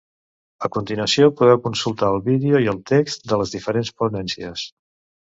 A continuació podeu consultar el vídeo i el text de les diferents ponències.